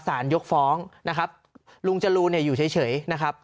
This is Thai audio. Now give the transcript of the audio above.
ยกฟ้องนะครับลุงจรูเนี่ยอยู่เฉยนะครับ